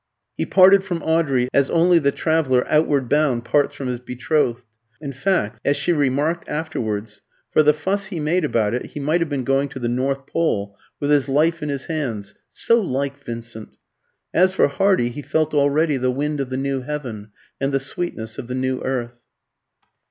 He parted from Audrey as only the traveller outward bound parts from his betrothed. In fact, as she remarked afterwards, "For the fuss he made about it he might have been going to the North Pole with his life in his hands. So like Vincent!" As for Hardy, he felt already the wind of the new heaven and the sweetness of the new earth.